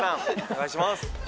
お願いします